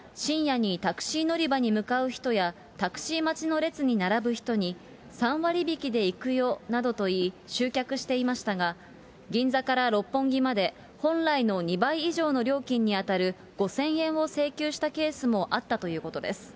４人は深夜にタクシー乗り場に向かう人や、タクシー待ちの列に並ぶ人に、３割引きでいくよなどと言い、集客していましたが、銀座から六本木まで本来の２倍以上の料金に当たる５０００円を請求したケースもあったということです。